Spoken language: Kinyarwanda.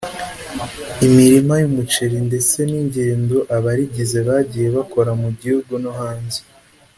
imirima y’umuceri ndetse n’ingendo abarigize bagiye bakora mu gihugu no hanze